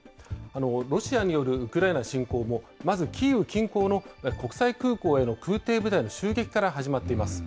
ロシアによるウクライナ侵攻もまずキーウ近郊の国際空港への空てい部隊の襲撃から始まっています。